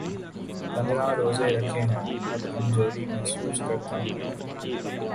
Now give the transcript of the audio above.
پندرہ روزے رکھے ہیں‘ اب کمزوری محسوس کر تا ہوں۔